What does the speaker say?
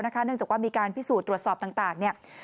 เนื่องจากว่ามีการพิสูจน์ตรวจสอบต่างเนี่ย